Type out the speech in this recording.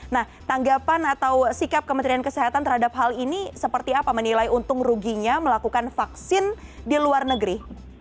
nah tanggapan atau sikap kementerian kesehatan terhadap hal ini seperti apa menilai untung ruginya melakukan vaksin di luar negeri